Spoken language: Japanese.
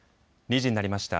２時になりました。